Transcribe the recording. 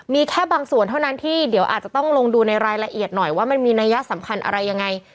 มีแค่บางส่วนเท่านั้นที่เดี๋ยวอาจจะต้องลงดูในรายละเอียดหน่อยว่ามันมีนัยสำคัญอะไรยังไง